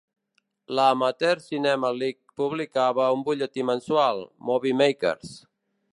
La Amateur Cinema League publicava un butlletí mensual, "Movie Makers".